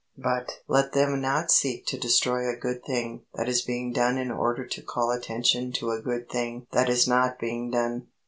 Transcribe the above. But let them not seek to destroy a good thing that is being done in order to call attention to a good thing that is not being done.